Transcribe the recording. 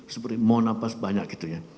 seperti mau napas banyak gitu ya